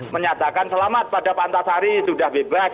menyatakan selamat pada pak antasari sudah bebas